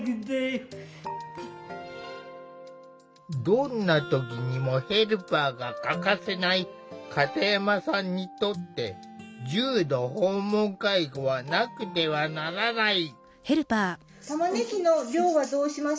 どんな時にもヘルパーが欠かせない片山さんにとって重度訪問介護はなくてはならない。